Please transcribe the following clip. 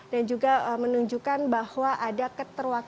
dan juga menunjukkan bahwa ada keterwakilan